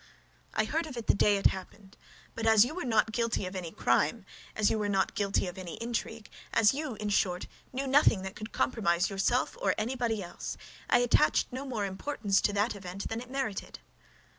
"I heard of it the day it happened; but as you were not guilty of any crime, as you were not guilty of any intrigue, as you, in short, knew nothing that could compromise yourself or anybody else, I attached no more importance to that event than it merited."